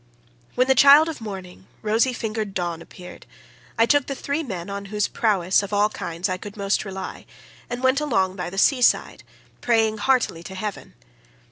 "When the child of morning rosy fingered Dawn appeared, I took the three men on whose prowess of all kinds I could most rely, and went along by the sea side, praying heartily to heaven.